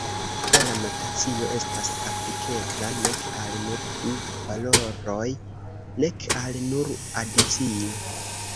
Pola notacio estas aplikebla nek al nur du valoroj, nek al nur adicio.